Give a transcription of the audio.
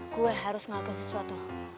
gue harus ngelakuin sesuatu